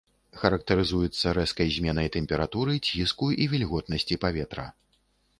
Характарызуецца рэзкай зменай тэмпературы, ціску і вільготнасці паветра.